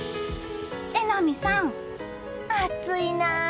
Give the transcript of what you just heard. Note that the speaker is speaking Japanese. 榎並さん、暑いな。